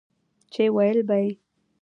چې وييل به يې